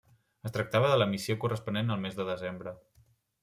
Es tractava de l'emissió corresponent al mes de desembre.